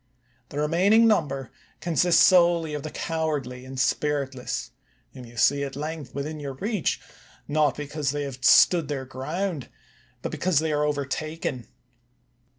The remaining number consists solely of the cowardly and spiritless, whom you see at length within your reach, not because they have stood their ground, but because they are overtaken.